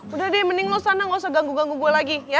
udah deh mending lo sana nggak usah ganggu ganggu gue lagi ya